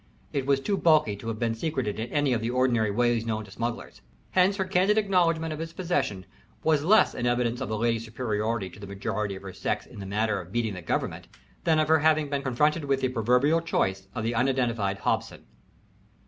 It was too bulky to have been secreted in any of the ordinary ways known to smugglers. Hence her candid acknowledgment of its possession was less an evidence of the lady's superiority to the majority of her sex in the matter of "beating the government" than of her having been confronted with the proverbial choice of the unidentified Hobson.